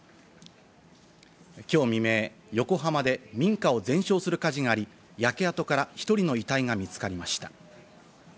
きょう未明、横浜で民家を全焼する火事があり、焼け跡から１人の遺体が見つかりました。